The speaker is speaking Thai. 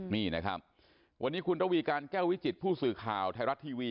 นี่นะครับวันนี้คุณระวีการแก้ววิจิตผู้สื่อข่าวไทยรัฐทีวี